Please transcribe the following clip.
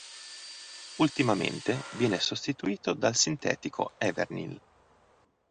Ultimamente viene sostituito dal sintetico evernyl.